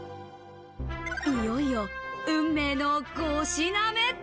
いよいよ運命の５品目。